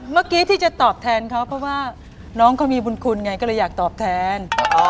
เมื่อกี้ที่จะตอบแทนเขาเพราะว่าน้องเขามีบุญคุณไงก็เลยอยากตอบแทน